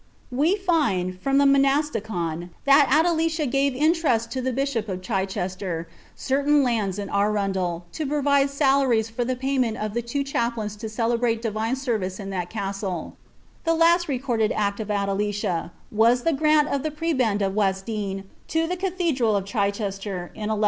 iTe find, from the Monasticon, that Adelicia gave in trust to the op of Chichester certain lands in Arundel, to provide salaries for payment of two chaplains to celebrate divine service in that castle, last recorded act of Adelicia was the grant of the prebend of West n to the cathedral of Chichester, in 1150.